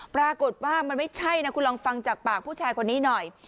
ปรากฏว่ามันไม่ใช่นะคุณลองฟังจากปากผู้ชายคนนี้หน่อย